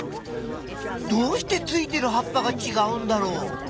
どうしてついてる葉っぱがちがうんだろう？